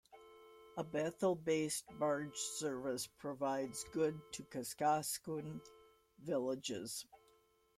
A Bethel-based barge service provides goods to Kuskokwim villages.